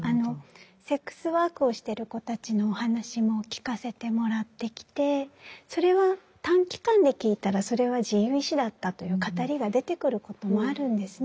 セックスワークをしてる子たちのお話も聞かせてもらってきてそれは短期間で聞いたらそれは自由意志だったという語りが出てくることもあるんですね。